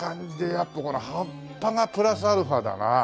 やっぱこれ葉っぱがプラスアルファだな。